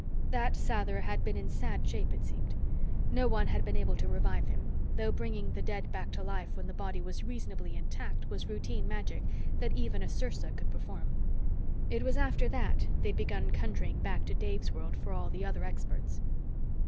That Sather had been in sad shape, it seemed. No one had been able to revive him, though bringing the dead back to life when the body was reasonably intact was routine magic that even a sersa could perform. It was after that they'd begun conjuring back to Dave's world for all the other experts.